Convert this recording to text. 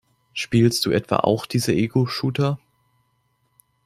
Spielst du etwa auch diese Egoshooter?